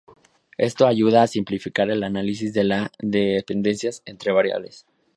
Esto ayuda a simplificar el análisis de las dependencias entre variables.